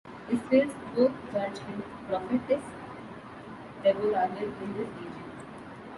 Israel's fourth judge and prophetess Deborah lived in this region.